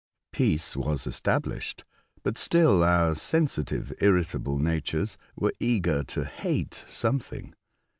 Peace was established ; but still our sensitive, irritable natures were eager to hate something.